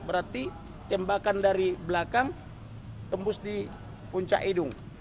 berarti tembakan dari belakang tembus di puncak hidung